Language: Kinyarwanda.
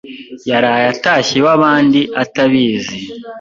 yaraye atashye iwabandi atabizi.